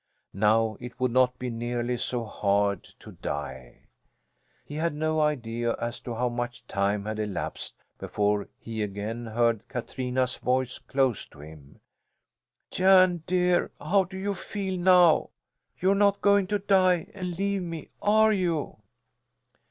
Now it would not be nearly so hard to die. He had no idea as to how much time had elapsed before he again heard Katrina's voice close to him. "Jan, dear, how do you feel now? You're not going to die and leave me, are you?"